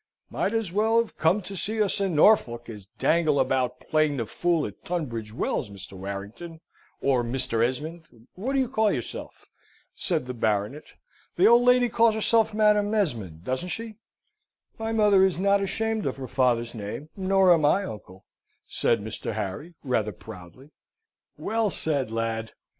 "Might as well have come to see us in Norfolk, as dangle about playing the fool at Tunbridge Wells, Mr. Warrington, or Mr. Esmond, which do you call yourself?" said the Baronet. "The old lady calls herself Madam Esmond, don't she?" "My mother is not ashamed of her father's name, nor am I, uncle," said Mr. Harry, rather proudly. "Well said, lad!